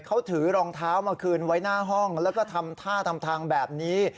เขาถือรองเท้ามาคืนไว้หน้าห้องแล้วก็ทำท่าทำทางแบบนี้